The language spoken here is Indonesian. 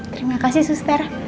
terima kasih suster